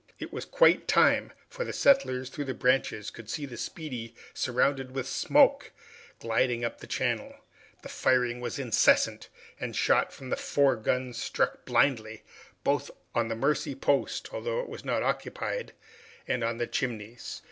It was quite time, for the settlers, through the branches, could see the "Speedy," surrounded with smoke, gliding up the channel. The firing was incessant, and shot from the four guns struck blindly, both on the Mercy post, although it was not occupied, and on the Chimneys.